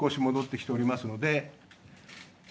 てきておりますので